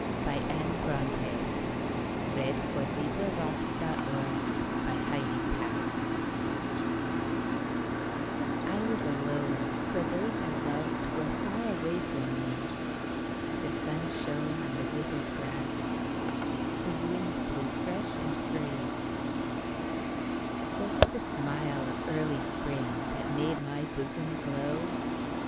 By Anne Brontë (1820–1849) In Memory of a Happy Day in February I WAS alone, for those I lovedWere far away from me; The sun shone on the withered grass, The wind blew fresh and free. Was it the smile of early springThat made my bosom glow?